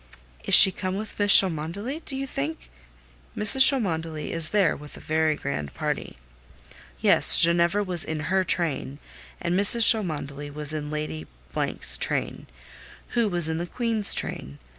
"Is she come with Mrs. Cholmondeley, do you think?" "Mrs. Cholmondeley is there with a very grand party. Yes; Ginevra was in her train; and Mrs. Cholmondeley was in Lady ——'s train, who was in the Queen's train.